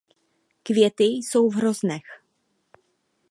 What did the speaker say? Květy jsou v hroznech.